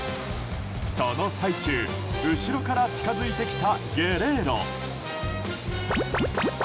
その最中、後ろから近付いてきたゲレーロ。